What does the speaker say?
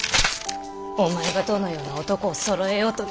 お前がどのような男をそろえようとな。